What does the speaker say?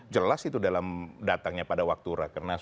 jelas itu dalam datangnya pada waktu rakernas